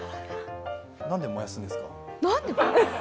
なんで燃やすんですか？